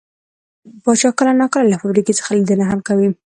پاچا کله نا کله له فابريکو څخه ليدنه هم کوي .